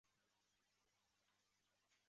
孝惠章皇后出身科尔沁部左翼扎萨克家族。